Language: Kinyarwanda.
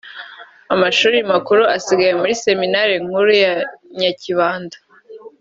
amashuri makuru ayiga muri Seminari Nkuru ya Nyakibanda